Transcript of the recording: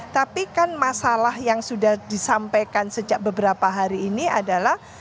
tapi kan masalah yang sudah disampaikan sejak beberapa hari ini adalah